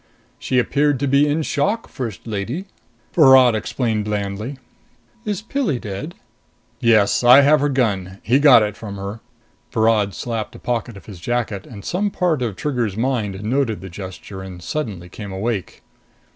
"She appeared to be in shock, First Lady," Virod explained blandly. "Is Pilli dead?" "Yes. I have her gun. He got it from her." Virod slapped a pocket of his jacket, and some part of Trigger's mind noted the gesture and suddenly came awake.